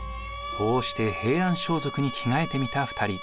こうして平安装束に着替えてみた２人。